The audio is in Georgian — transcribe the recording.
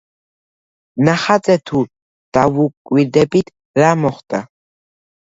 ნახატზე თუ დავუკვირდებით, რა მოხდა?